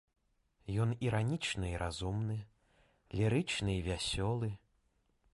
Ён іранічны і разумны, лірычны і вясёлы.